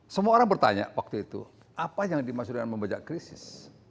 semua orang bertanya waktu itu apa yang dimaksud dengan membajak krisis